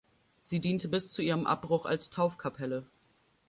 Sie diente bis zu ihrem Abbruch als Taufkapelle.